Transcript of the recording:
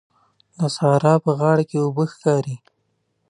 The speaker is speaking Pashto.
د سارا په غاړه کې اوبه ښکاري.